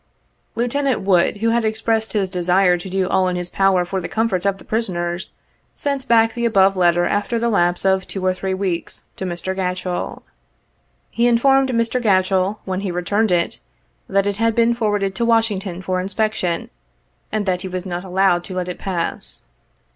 Lieutenant Wood, who had expressed his desire to do all in his power for the comfort of the prisoners, sent back the above letter after the lapse of two or three weeks, to Mr. Gatchell. He informed Mr. Gatchell, when he returned it, that it had been forwarded to Washington for inspection, and that he was not allowed to let it pass.